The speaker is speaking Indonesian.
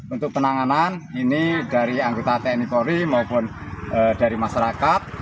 untuk penanganan ini dari anggota tni polri maupun dari masyarakat